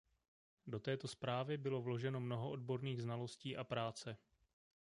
Do této zprávy bylo vloženo mnoho odborných znalostí a práce.